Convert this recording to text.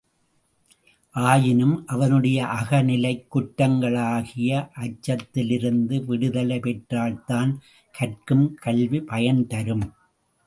ஆயினும் அவனுடைய அகநிலைக் குற்றங்களாகிய அச்சத்திலிருந்து விடுதலை பெற்றால்தான் கற்கும் கல்வி பயன்தரும்.